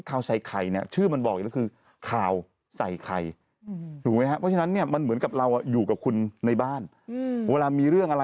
ข่าวใส่ไข่เนี่ยชื่อมันบอกอย่างนี้คือ